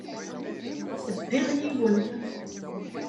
Bbiɣ yiwen.